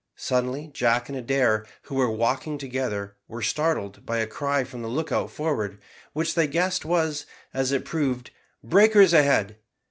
Suddenly, Jack and Adair, who were walking together, were startled by a cry from the lookout forward, which they guessed was, as it proved, "Breakers ahead."